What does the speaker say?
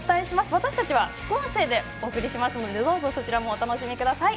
私たちは副音声でお送りしますのでどうぞ、そちらもお楽しみください。